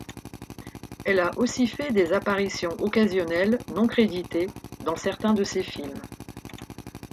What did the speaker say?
Elle a aussi fait des apparitions occasionnelles non-créditées dans certains de ses films.